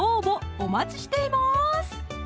お待ちしています